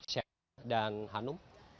syekh dan hanum